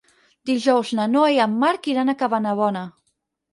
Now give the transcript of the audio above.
Dijous na Noa i en Marc iran a Cabanabona.